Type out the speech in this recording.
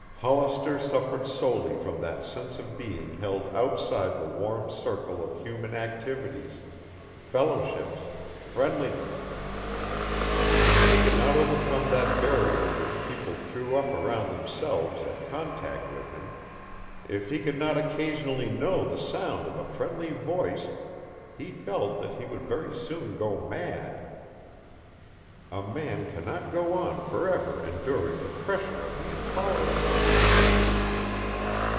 Hollister suffered solely from that sense of being held outside the warm circle of human activities, fellowships, friendliness. If he could not overcome that barrier which people threw up around themselves at contact with him, if he could not occasionally know the sound of a friendly voice, he felt that he would very soon go mad. A man cannot go on forever enduring the pressure of the intolerable.